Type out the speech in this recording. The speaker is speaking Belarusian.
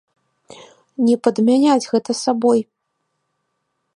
Не падмяняць гэта сабой!